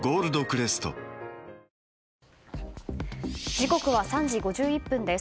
時刻は３時５１分です。